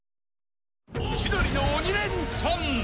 「千鳥の鬼レンチャン」。